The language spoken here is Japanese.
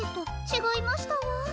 ちがいましたわ。